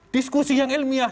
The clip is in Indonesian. diskusi yang ilmiah